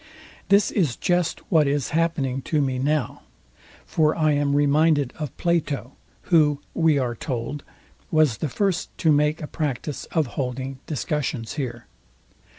This is just what is happening to me now; for I am reminded of Plato who, we are told, was the first to make a practice of holding discussions here.